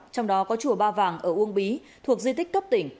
trong đó có chùa ba vàng ở uông bí thuộc di tích cấp tỉnh